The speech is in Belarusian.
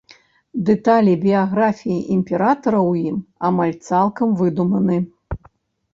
Дэталі біяграфіі імператара ў ім амаль цалкам выдуманы.